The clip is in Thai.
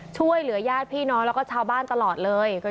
ช่วยเหลือญาติพี่น้องแล้วก็ชาวบ้านตลอดเลย